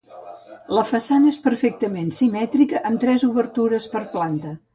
La façana és perfectament simètrica amb tres obertures per planta.